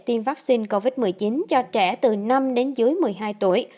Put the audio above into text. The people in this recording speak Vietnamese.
tiêm vaccine covid một mươi chín cho trẻ từ năm đến dưới một mươi hai tuổi